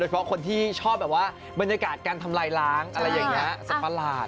เพราะคนที่ชอบแบบว่าบรรยากาศการทำลายล้างอะไรอย่างนี้สัตว์ประหลาด